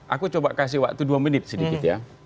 aku coba kasih waktu dua menit sedikit ya